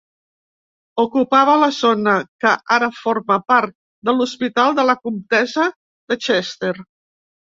Ocupava la zona que ara forma part de l'Hospital de la Comtessa de Chester.